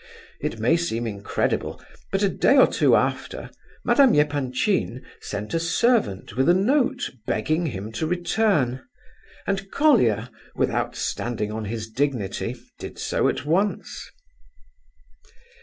It may seem incredible, but a day or two after, Madame Epanchin sent a servant with a note begging him to return, and Colia, without standing on his dignity, did so at once.